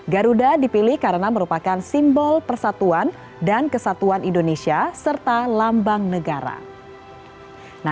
garuda dipilih karena merupakan simbol persatuan dan kesatuan indonesia serta lambang negara